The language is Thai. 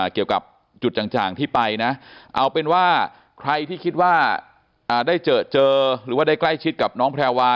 เกี่ยวกับจุดต่างที่ไปนะเอาเป็นว่าใครที่คิดว่าได้เจอเจอหรือว่าได้ใกล้ชิดกับน้องแพรวา